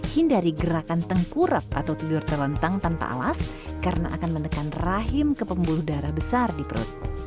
hindari gerakan tengkurap atau tidur terlentang tanpa alas karena akan menekan rahim ke pembuluh darah besar di perut